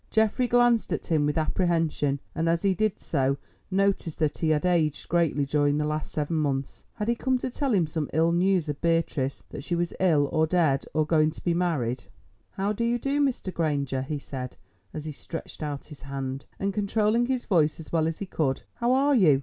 Geoffrey glanced at him with apprehension, and as he did so noticed that he had aged greatly during the last seven months. Had he come to tell him some ill news of Beatrice—that she was ill, or dead, or going to be married? "How do you do, Mr. Granger?" he said, as he stretched out his hand, and controlling his voice as well as he could. "How are you?